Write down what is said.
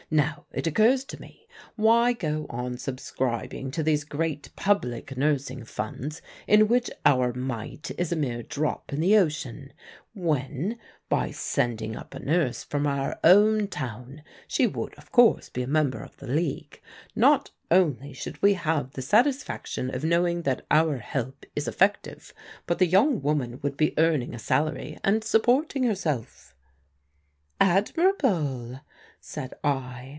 Now it occurs to me: why go on subscribing to these great public Nursing Funds, in which our mite is a mere drop in the ocean, when by sending up a nurse from our own town she would, of course, be a member of the League not only should we have the satisfaction of knowing that our help is effective, but the young woman would be earning a salary and supporting herself?" "Admirable!" said I.